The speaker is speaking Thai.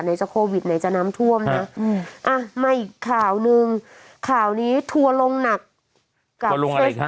ไหนจะโควิดไหนจะน้ำท่วมน่ะอืมอ่ะมาอีกข่าวหนึ่งข่าวนี้ทัวร์ลงหนักกับทัวร์ลงอะไรค่ะ